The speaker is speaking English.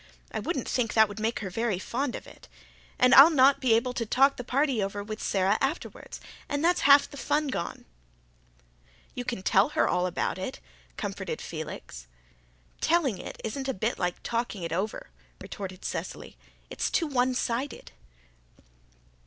I wouldn't think that would make her very fond of it. And I'll not be able to talk the party over with Sara afterwards and that's half the fun gone." "You can tell her all about it," comforted Felix. "Telling isn't a bit like talking it over," retorted Cecily. "It's too one sided."